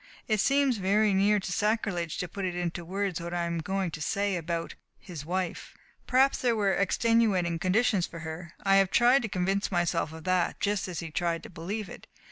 It seems very near to sacrilege to put into words what I am going to say about his wife. Perhaps there were extenuating conditions for her. I have tried to convince myself of that, just as he tried to believe it.